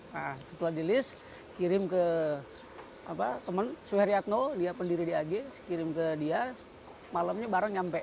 nah setelah di list kirim ke teman suheri akno dia pendiri di ag kirim ke dia malamnya baru nyampe